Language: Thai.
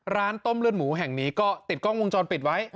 ร้านต้มเลือดหมูแห่งนี้ก็ติดกล้องวงจรปิดไว้